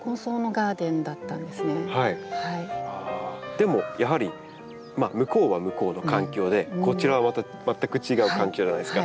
でもやはり向こうは向こうの環境でこちらはまた全く違う環境じゃないですか。